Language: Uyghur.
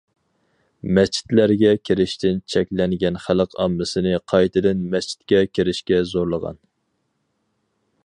مەسچىتلەرگە كىرىشتىن چەكلەنگەن خەلق ئاممىسىنى قايتىدىن مەسچىتكە كىرىشكە زورلىغان.